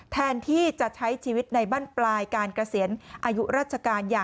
แทนที่จะใช้ชีวิตในบ้านปลายการเกษียณอายุราชการ